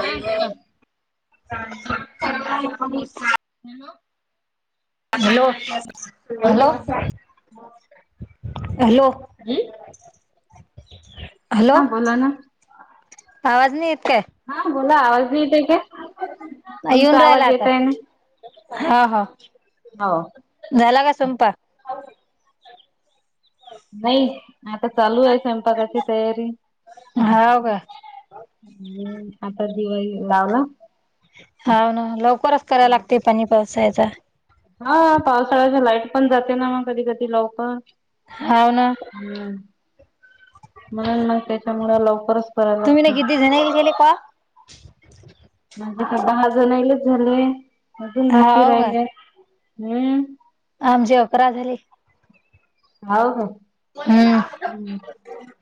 हा बोला hello. Hello hello hello हम् हॅलो हा बोला ना. आवाज नाही येत. काय? हा बोला आवाज नाही येते का? तुमचा येऊन राहिला आवाज आता. येतय ना. हा हा. हो. झाला का संपा नाही. आता चालू आहे स्वयंपाकाची तयारी. हाव का हम् आता दिवाळी लाव ना. हा ना लवकरच करायं लागते पाणी पावसायचं हां पावसाळ्याच्या लाईट पण जाते ना मग कधी कधी लवकर होव ना. हम्म म्हणून ना त्याच्यामुळे लवकरचं तुम्ही ना किती जना ईल केले पा माझं दहा जणलाच झाले अजून बाकी हाव का राहिले. हम् आमचे अकरा झाली हो हो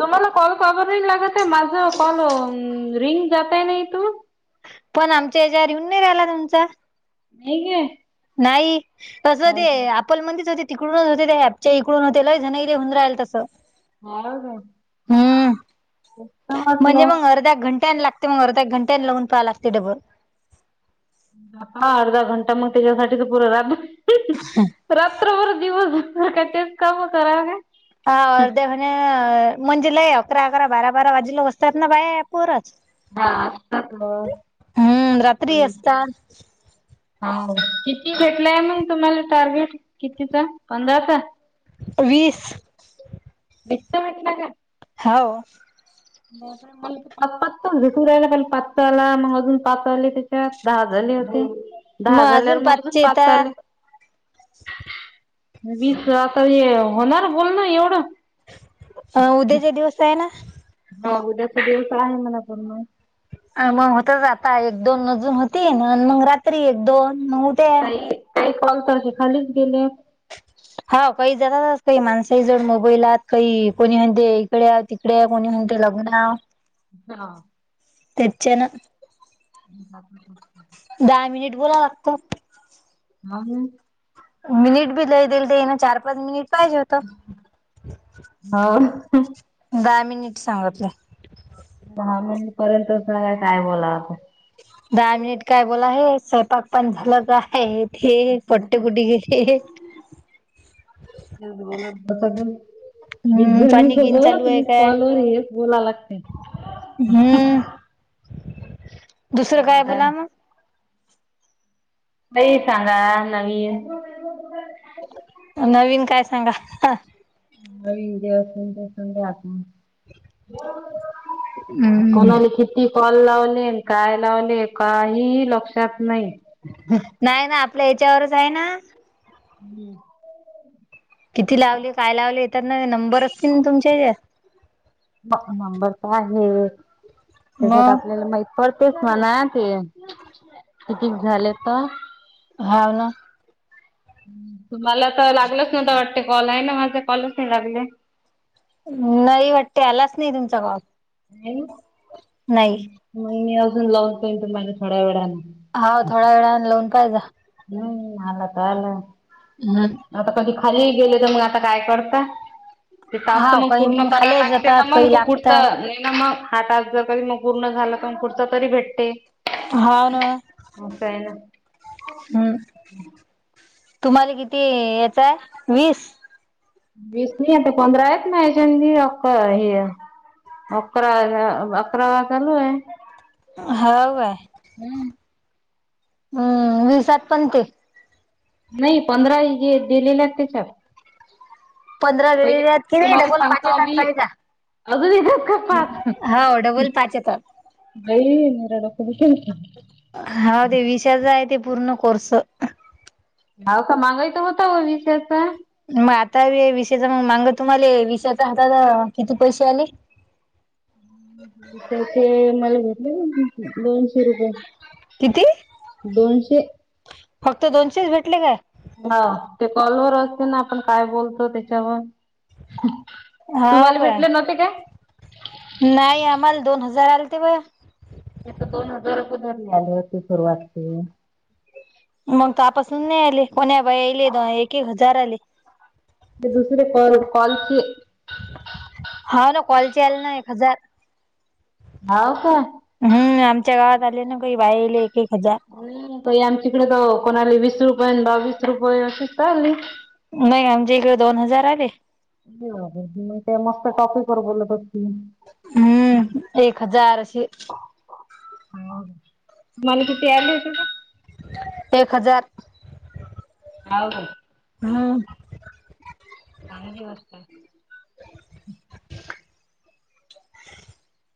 तुम्हाला कॉल का बरं लागत माझ कॉल रिंग जातंय नाही तू पण आमच्या ह्याच्यावर येऊन नाही राहिला. तुमचा नई ग नाही तसं ते आपलं म्हणच होते. तिकडूनच होते. त्या हॅपच्या इकडून होते लही जणईले होऊन राहिल तसं हो का? हम्म तेच तर म्हणजे म्हटलं. मग अर्ध्या घंट्या लागत. ते मग अर्धा एक घंट्या लावून पहाला लागतयं डबं हां अर्धा घंटा मग त्याच्यासाठी त पुरं राब रात्रभर दिवसभर कायं तेच काम करावी हा अर्धे म्हणे म्हणजे लय अकरा अकरा बारा बारा वाजेला अससतात ना बाय ॲपवर हां असतात म हम्म रात्री हम् असतात ह किती भेटलाय मग तुम्हाला टार्गेट कितीचा पंधराचा वीस भ म्हंटला का? हो म पाच झू राहिला पाच आला. मग अजून पाच आले त्याच्यात दहा हजार हो दहा मग अजून झाल्याून पाचचे पाच ले. येतात वीस आता हे होणार? बोल ना एवढं अं उद्याचे दिवस आहे. ना हा उद्याचा दिवस आहे मला पण, मग अ मग होतच आता एक दोन अजून होती. ना मग रात्री एक दोन मग उद्या. काही काही कॉलते खालीच गेले. हा काही जातात. काही माणसाही जण मोबाईलत काही कोणी म्हणते इकडे तिकडे कोणी म्ह ते लग्नं हां त्यांच्या ना दहा मिनिट बोला लागतं हां म मिनिट भी दई देईल देना चार पाच मिनिटं पाहिजे होतं ना नीट सांगतलं धा मिनिट पर्यंत स काय बोलावता दहा मिनिट काय बोला? आहे स्वयंपाक पण झालं आहे हे पटेकुट घे हे... मलासा वीस हम्म जणी पाणी गिन चालू सोबत आहे वीस काय कॉल वर हेच बोला लागते हम्म दुसरं काय? बोला मग काही सांगा नवीन नवीन काय सांगा हवी. जवसस राहाती हम्म कोणाली कती,? कल लावले काय लावले काहीही लक्षात नाही नाही ना आपल्या याच्यावरच आहे ना हम्म किती लावले काय लावले येतात ना नंबर असतील ना तुमच्या हच्यात म नंबरस आहे त्याच्यात मग आपल्याला माहि पडतेस म्हणा ते कतीक झाले तर हाव ना तु मला तर लागलच नव्हत वाटते कॉल आहे ना माझे कॉलच नाही लागले नाही वाटते आलाच नाही तुमचा काॉप मग मी अजून लावून पन तुमला थोड्या वेळने होा थोड्या वेळा लोन पाहिज हम् नला तलं हम् खाली गेल तर मग आता काय करत ते तस्त हा मग काही पूर्ण कराला खाली लागते जातात ना मग काही तो पुढचा लागतात नाही ना मग हात आज जर कधी मग पूर्ण झालं पण पुढच तरी भेटते हा ना असं आहे ना. हम् तुम्हाला किती याचय वीस वीस नाही आता पंधरा आहेत नाहीच्याी अक्क हे अकरा अकरा वाज चालू आहे होव आहे हम्म विसात पण ते नाही पंधरा दिलेल्या आहेत त्याच्या पंधरा वेरीत की नाही डबल पाच त आात पाहिजा अजूनपाईरा हो डबल पाच येतात बुजे न हा ते विषाचा आहे ते पूर्ण कोर्स भााव का मागाय तर होता व विीस याचा मग आता विषेचा मग मांग तुम्हाला विषेचा हातात किती पैसे आले ह पसाचे मला भेटले दोनशे रुपये किती दोनशे फक्त दोनशेच भेटले का हा ते कॉलवर असते ना आपण काय बोलतो त्याच्यावर हो तुम्हाला काय भेटले नव्हते काय नाही आम्हाला दोन हजार आलेते बा ते तर दोन हजारपय धरले आले होते सुरुवातचे मग तपासून नाही आले कोणा बाईले दो एक एक हजार आले ते दुसरे कॉल कॉल के हा ना कॉलचे याला ना एक हजार हाव का हम्म आमच्या गावात झाले ना काी बाहेले आमच्याकडे तर कोणाली वीस रुपये बावीस रुपये अशीच चालली नाही आमच्या इकडे दोन हजार आले म ते मस्त टॉपिक वर बोलत हो हम्म एक हजारशी मन कितीरले त का एक हजार हाव का हम्म चांगली गोष्ट आहे. आअइ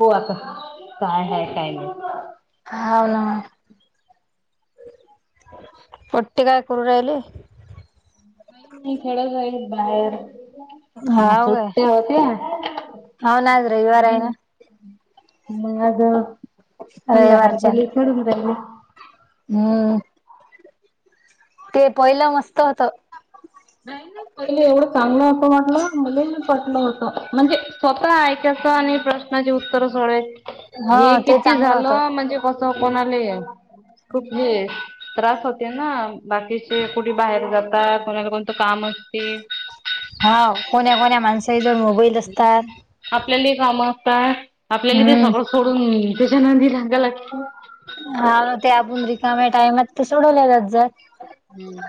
हो आता काय ह काय नाही ह होला पटते काय करू राहिले. नाही नाही खेड जाई बाहेर सुट्टे होते होन र इ वारयन मग आज संध्याकाळ झाली चडून राहिली हम् ते पहिलं मस्त होत नाही ना पहिले एवढं चांगलं होतं म्हटलं मुली पटलं होतं म्हणजे स्वतः ऐकायचं आणि प्रश्नाचे उत्तर सोड हे हा ते किती चांगलं होत झालं म्हणजे कस कोणाले आहे खूप हे त्रास होते ना बाकीचे कुठे बाहेर जाता कोणाला त काम असते हा कोण्या कोण्या माणस हम्म आपल्याला काम आपल्याला ते हम्म सगळं सोडून त्याच्यानंदी लागा लागते हा ते आपण रिकाम्या टायमात ते सोडवले जात जर हम्म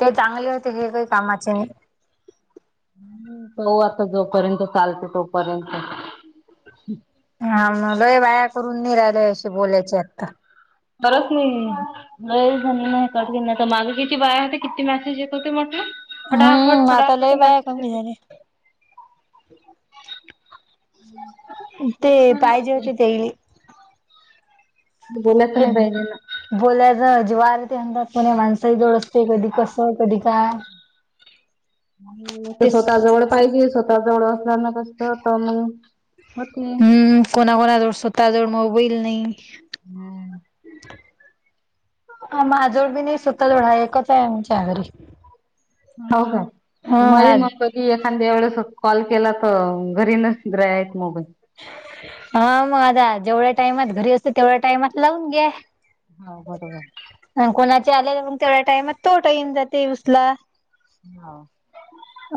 ते चांगले होते हे काही कामाचे नाही. तऊ आता जोपर्यंत चालते तोपर्यंत. हा म्हलोय वाया करून नि राहिलय अशी बोलायचे आता. बरच नाही ब झा नाही कर घ तर मागची बाया होते किती मॅसेज येत होते म. फटाफट हम्म आता फटाफट लय बाया कमी मसेेत झाल्या ते पाहिजे होते तेईल बोलायच हे नाही पाहिजे ना बोलायचं अजवाल त्यांदा कोणी माणसही जोळ असते कधी कस कधी काय? ते तेच स्वतः जवळ पाहिजे स्वतः जवळ असणार ना कस तर मग होते हम्म कोणा कोणाजव स्वतःजव मोबाईल नाही. हम्म ह माजवळ बी नाही स्वतः जवढा एकच आहेच्या घरी हो काय हा तुम्हाला हा मग कधी एखाद्या एवढचत कॉल केला तर घरी नच ग्र आहेत मोबाईल हा मग आता जेवढ्या टाइमात घरी असत तेवढ्या टाइमात लावून घ्या. हा बरोबर आल्याला मग तेवढा टाइम तो टाईम जातेसला. हा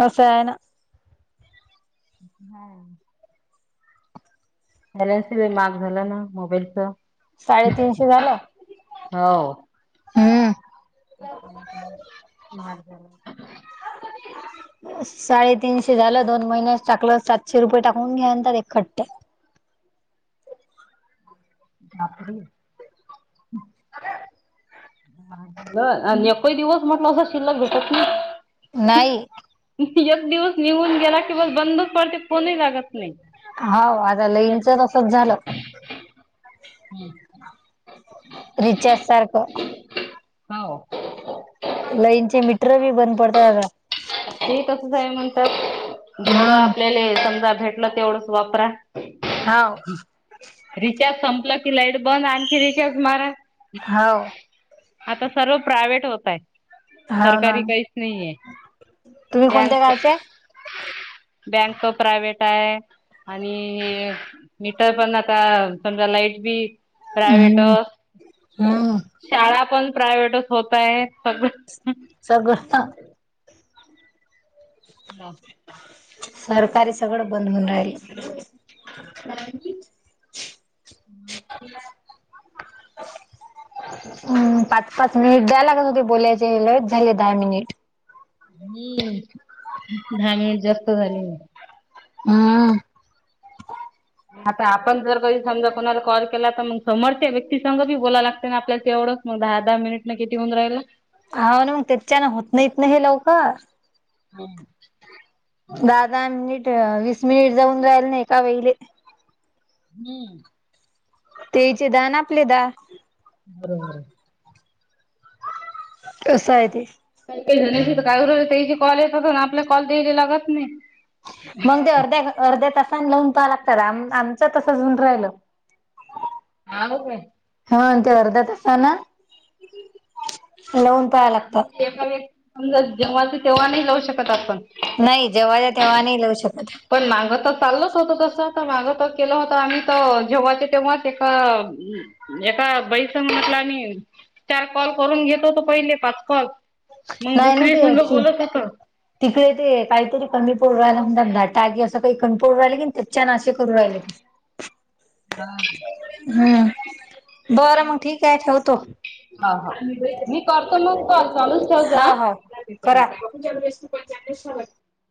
अस सेयन हम् बॅन्स मार्क झाला ना मोबाईलच साडेतीनशे झालं हो हम्म मार झाला. यतद साडेतीीनशे झालं दोन महिन्यास टाकलं सातशे रुपये टाकून घ्यांतात एकखट््ट्या [unintelligible] बापरी अ हल आणि एक दिवस म्हटलं अस शिल्लक घटत नाही. नाही एक दिवस निघून गेला कि बस बंदच पडते कोणही लागत नाही होा आता लईनचसच झालं हम्म रिचार्ज सारखं होा लईनचे मीटर बी बंद पडत बा ती तसंच आहे म्हणतात जेवढं हम्म आपल्याला समजा भेटलं तेवढंच वापरा हाव रिचार्ज संपलं कि लाईट बंद आणखी रिचार्ज मारा हो आता सर्व प्रायव्हेट होतय हाव ना सरकारी काहीच नाही आहे. तुम्ही कोणत्या गावच्या आहे? बँक प्रायवट आहे, आणि मीटर पण आता समजा लाईट बी प्रायव्ट हम्म हम्म शाळा पण प्रायव्हेटच होत आहे. सगळं सगळं हा सरकारी सगळं बंद होन राहिल. [inaudible] हम् पाच पाच मिनिट द्याय लागत होते बोलायचे ल झाले दहा मिनिट हम्म दहा मिनिट जास्त झाले. हम्म आता आपण जर कधी समजा कोणा कॉल केला तर मग समोरच्या व्यक्तीसघ बी बोला लागते ना आपल्याला ते एवढं मग दहा दहा मिनिट न किती होऊन राहिला. ह ना मग त्याच्यान होत नाहीत ना हे लवकर हम दहा दहा मिनिट वीस मिनिट जाऊन राहिल ना एका वेलेले हम्म तेचे दहा ना आपले दहा बरोबर कसा आहे ते काही काय त्याची कॉल येत होता ना आपला कॉल द्यायला लागत नाही मग ते अर्ध्या अर्ध्या तास चांगलंन प लागतात आमच तसचऊन राहिल [inaudible] हा ते अर्धा तासा ना लावून पहाय लागतात म्हणजे जव्हा समजा जेव्हाच तेव्हा नाही लावू शकत आपण नाहीय जवा चा तेवा नाही लावू शकत चालत होत तस माग त केलं होत आम्ही तर जेव्हाच्या तेव्हाच एक बैस म्हटला आणि चार कॉल करून घेतोतो पहिले पाच कॉल मग नाही ना दुसरी ते संघ बोलत होत. तिकडे ते काहीतरी कमी राहिला म्हम टागी असं काही कणपोळ राहिले की त्याचच्या नाशे करू राहिले हा हम्म बरं मग ठीक आहे ठेवतो हा हा मी करतो मग कॉल चालूच ठेव जा हा हा करा